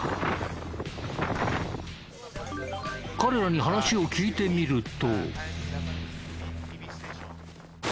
彼らに話を聞いてみると。